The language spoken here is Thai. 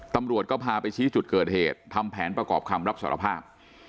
ตำรวจก็พาไปชี้จุดเกิดเหตุทำแผนประกอบคำรับสารภาพ